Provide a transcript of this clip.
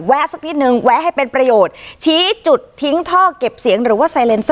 สักนิดนึงแวะให้เป็นประโยชน์ชี้จุดทิ้งท่อเก็บเสียงหรือว่าไซเลน๒